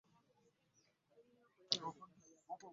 Agambye nti ebintu ebimalawo emirembe byetaaga okukoma mbagirawo.